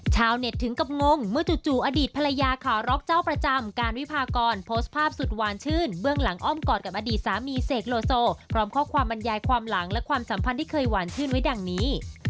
ชาวเน็ตถึงกับงงเมื่อจู่อดีตภรรยาข่าวร็อกเจ้าประจำการวิพากรโพสต์ภาพสุดหวานชื่นเบื้องหลังอ้อมกอดกับอดีตสามีเสกโลโซพร้อมข้อความบรรยายความหลังและความสัมพันธ์ที่เคยหวานชื่นไว้ดังนี้